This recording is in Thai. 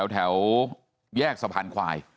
แถวแยกสะพานควาย